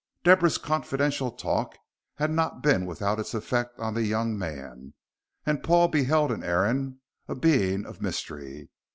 Deborah's confidential talk had not been without its effects on the young man, and Paul beheld in Aaron a being of mystery.